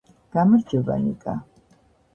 გამარჯობა, ნიკა